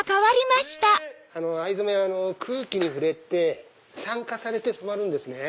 ⁉藍染めは空気に触れて酸化されて染まるんですね。